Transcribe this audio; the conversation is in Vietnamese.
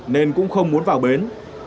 nên cũng không muốn vào bến